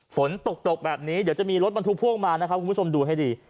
ฝนตกตกแบบนี้เดี๋ยวจะมีรถบรรทุกพ่วงมานะครับคุณผู้ชมดูให้ดี